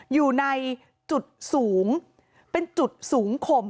อยู่ในจุดสูงเป็นจุดสูงข่ม